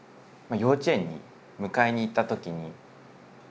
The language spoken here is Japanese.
幼稚園に迎えに行ったときに。